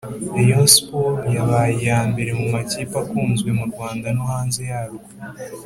Rayon sport yabaye iya mbere mu makipe akunzwe mu Rwanda no hanze yarwo